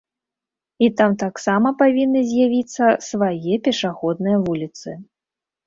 І там таксама павінны з'явіцца свае пешаходныя вуліцы.